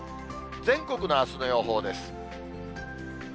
全国のあすの予報です。